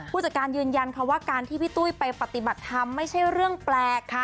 ผู้จัดการยืนยันค่ะว่าการที่พี่ตุ้ยไปปฏิบัติธรรมไม่ใช่เรื่องแปลกค่ะ